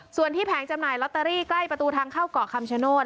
ส่วนที่แผงจำหน่ายลอตเตอรี่ใกล้ประตูทางเข้าเกาะคำชโนธ